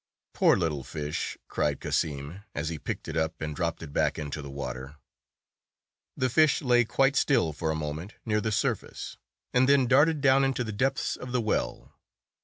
"Poor little fish!" cried Cassim, as he picked it up and dropped it back into the water. The fish lay quite still for a moment near the surface, and then darted down into the depths of the well.